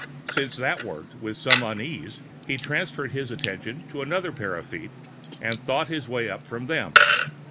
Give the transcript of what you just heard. Since that worked, with some uneasiness he transferred his attention to another pair of feet and "thought" his way up from them.